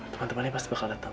teman temannya pasti bakal datang